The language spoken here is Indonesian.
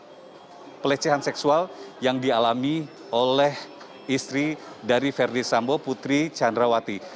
karena adanya dugaan pelecehan seksual yang dialami oleh istri dari ferdis sambo putri candrawati